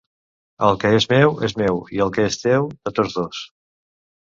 El que és meu, és meu, i el que és teu, de tots dos.